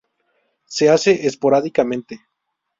Se hacen esporádicamente.